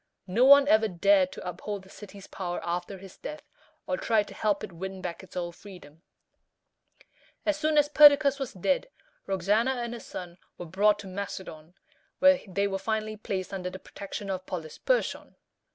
No one ever dared to uphold the city's power after his death, or tried to help it win back its old freedom. As soon as Perdiccas was dead, Roxana and her son were brought to Macedon, where they were finally placed under the protection of Polysperchon.